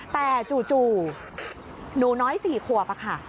แต่จู่หนูน้อย๔ขวบค่ะ